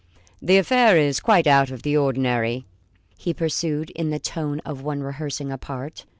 "The affair is quite out of the ordinary," he pursued in the tone of one rehearsing a part.